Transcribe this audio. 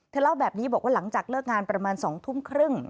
เล่าแบบนี้บอกว่าหลังจากเลิกงานประมาณ๒ทุ่มครึ่ง